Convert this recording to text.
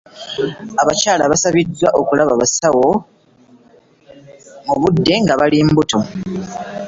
Abakyala basabidwa okulaba abasawo mu budde nga bali mbuto.